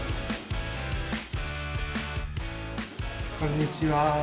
こんにちは。